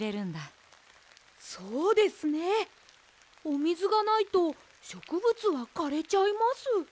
おみずがないとしょくぶつはかれちゃいます！